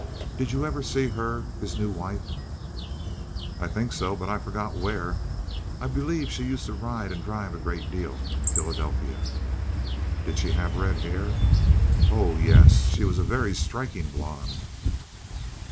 "Did you ever see her—his new wife?" "I think so, but I forget where. I believe she used to ride and drive a great deal in Philadelphia." "Did she have red hair?" "Oh yes. She was a very striking blonde."